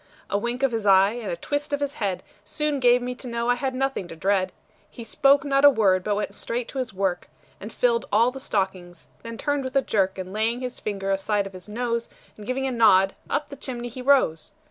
A wink of his eye, and a twist of his head, Soon gave me to know I had nothing to dread. He spoke not a word, but went straight to his work, And filled all the stockings; then turned with a jerk, And laying his finger aside of his nose, And giving a nod, up the chimney he rose.